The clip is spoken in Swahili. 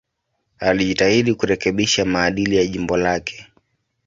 Alijitahidi kurekebisha maadili ya jimbo lake.